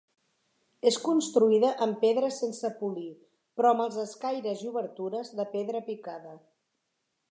És construïda en pedra sense polir però amb els escaires i obertures de pedra picada.